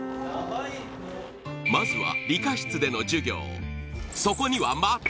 まずは理科室での授業